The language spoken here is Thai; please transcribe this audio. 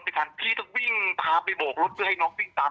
ไปถามได้เลยว่าพี่สู้จริงไหม